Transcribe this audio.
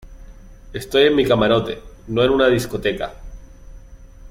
estoy en mi camarote, no en una discoteca.